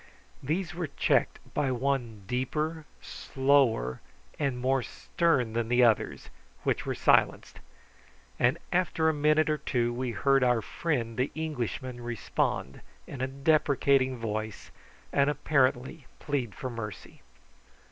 These were checked by one deeper, slower, and more stern than the others, which were silenced; and after a minute or two, we heard our friend the Englishman respond in a deprecating voice, and apparently plead for mercy.